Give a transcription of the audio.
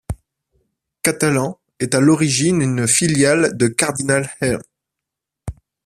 Catalent est à l'origine une filiale de Cardinal Health.